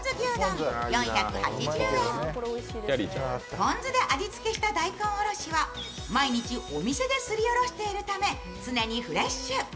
ポン酢で味付けした大根おろしは、毎日お店ですりおろしているためフレッシュ。